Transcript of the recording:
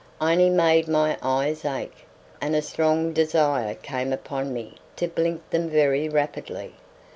I only made my eyes ache, and a strong desire came upon me to blink them very rapidly.